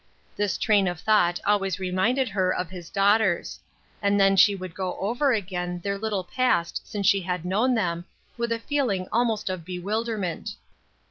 This train of thought always reminded her of his daughters; and then she would go over again their little past since she had known them, with a feeling almost of bewilderment.